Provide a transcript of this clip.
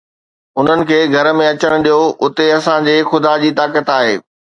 انهن کي گهر ۾ اچڻ ڏيو، اتي اسان جي خدا جي طاقت آهي